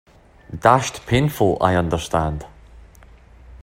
Dashed painful, I understand.